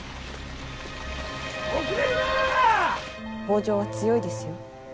北条は強いですよ。